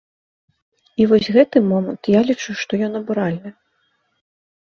І вось гэты момант, я лічу, што ён абуральны.